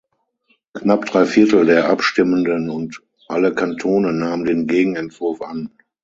Knapp drei Viertel der Abstimmenden und alle Kantone nahmen den Gegenentwurf an.